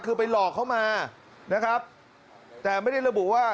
คือไปหลอกเขามานะครับแต่ไม่ได้ระบุว่า